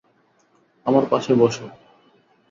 আমার পাশে বস।